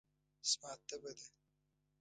زما تبه ده.